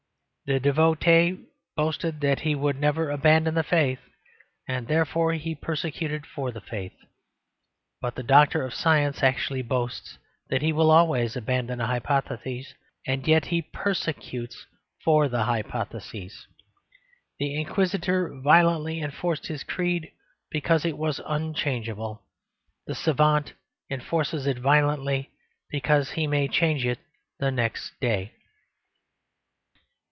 The devotee boasted that he would never abandon the faith; and therefore he persecuted for the faith. But the doctor of science actually boasts that he will always abandon a hypothesis; and yet he persecutes for the hypothesis. The Inquisitor violently enforced his creed, because it was unchangeable. The savant enforces it violently because he may change it the next day.